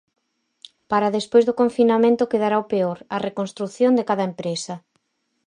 Para despois do confinamento quedará o peor, a reconstrución de cada empresa.